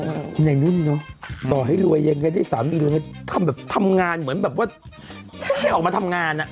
ที่ในนู้นเนอะต่อให้รวยเย็นก็ได้สามีทำงานเหมือนแบบว่าแพร่ออกมาทำงานอ่ะ